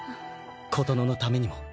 琴乃のためにも。